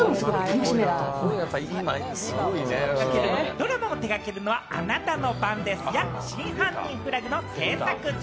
ドラマを手掛けるのは『あなたの番です』や『真犯人フラグ』の制作陣。